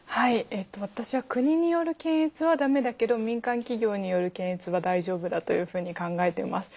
えっと私は国による検閲は駄目だけど民間企業による検閲は大丈夫だというふうに考えてます。